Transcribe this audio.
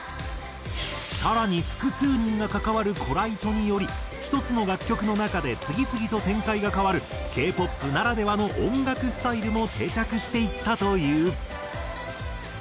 更に複数人が関わるコライトにより１つの楽曲の中で次々と展開が変わるＫ−ＰＯＰならではの音楽スタイルも定着していったという。